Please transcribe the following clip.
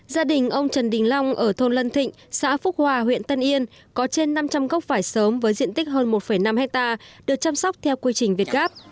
gia đình ông trần đình long ở thôn lân thịnh xã phúc hòa huyện tân yên có trên năm trăm linh gốc vải sớm với diện tích hơn một năm hectare được chăm sóc theo quy trình việt gáp